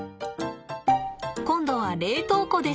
今度は冷凍庫です。